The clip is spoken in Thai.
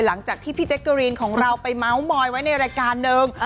หลังจากพี่เจ๊กกะรีนของเราไปมา้วมอยว่าในรายการเดิม